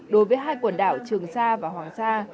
đối với hai quần đảo trường sa và hoàng sa